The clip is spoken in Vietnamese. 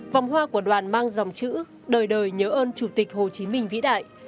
vòng hoa của đoàn mang dòng chữ đời đời nhớ ơn chủ tịch hồ chí minh vĩ đại